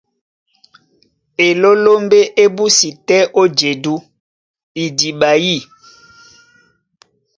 Elólómbé é búsi tɛ́ ó jedú idiɓa yî.